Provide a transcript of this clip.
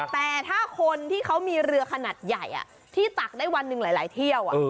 แต่ถ้าคนที่เขามีเรือขนาดใหญ่ที่ตักได้วันหนึ่งหลายเที่ยว